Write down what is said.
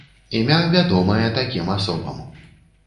Імя вядомае такім асобам.